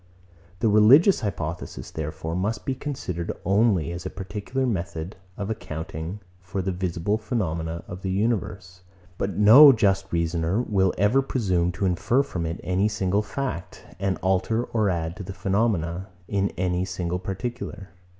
The religious hypothesis, therefore, must be considered only as a particular method of accounting for the visible phenomena of the universe: but no just reasoner will ever presume to infer from it any single fact, and alter or add to the phenomena, in any single particular.